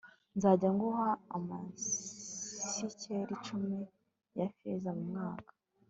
nzajya nguha amasikeli cumi ya feza mu mwaka